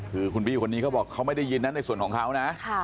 คือคุณบี้คนนี้เขาบอกเขาไม่ได้ยินนะในส่วนของเขานะ